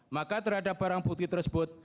maka terhadap barang bukti tersebut